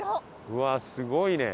うわっすごいね。